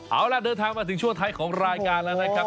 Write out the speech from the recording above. เอาล่ะเดินทางมาถึงช่วงท้ายของรายการแล้วนะครับ